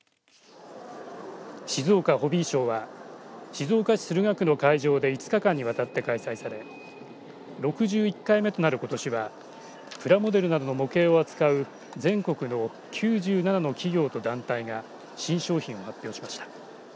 静岡ホビーショーは静岡市駿河区の会場で５日間にわたって開催され６１回目となることしはプラモデルなどの模型を扱う全国の９７の企業と団体が新商品を発表しました。